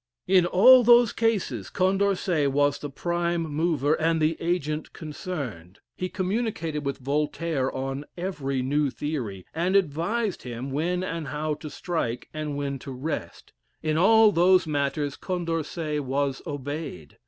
In all those cases Condorcet was the prime mover and the agent concerned. He communicated with Voltaire on every new theory, and advised him when and how to strike, and when to rest. In all those matters Condorcet was obeyed.